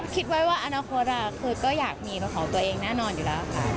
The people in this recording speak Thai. คิดไว้ว่าอนาคตคือก็อยากมีเป็นของตัวเองแน่นอนอยู่แล้วค่ะ